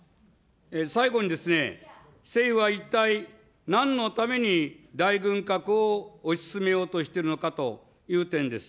最後に、政府は一体なんのために大軍拡を推し進めようとしているのかという点です。